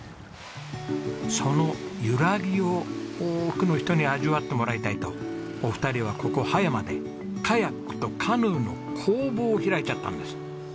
その揺らぎを多くの人に味わってもらいたいとお二人はここ葉山でカヤックとカヌーの工房を開いちゃったんです。